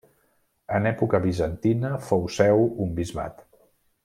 En època bizantina fou seu un bisbat.